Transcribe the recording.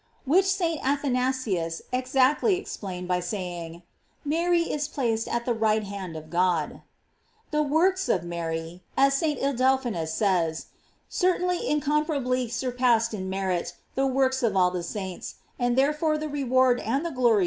'^ Which St. Athanasius exactly explained by say ing: Mary is placed at the right hand of God. The works of Mary, as St. ildephonsus says, certainly incomparably surpassed in merit the works of all the saints, and therefore the reward and the glory she merited cannot be conceived.